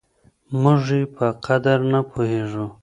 موږ يې په قدر نه پوهېږو.